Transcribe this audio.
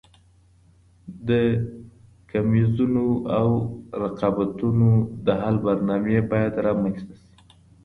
د کميزونو او رقابتونو د حل برنامې باید رامنځته سي.